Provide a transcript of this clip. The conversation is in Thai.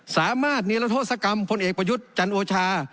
สามารถนิรโทษกรรมพลเอกประยุทธ์จันโอชา